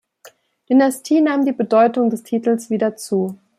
Dynastie nahm die Bedeutung des Titels wieder zu.